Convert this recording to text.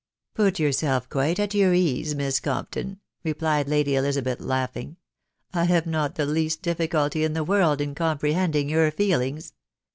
" Put yourself quite at your ease. Miss Compton, replied Lady Elizabeth, laughing ;" I have not the least difficulty in the world in comprehending your feelings.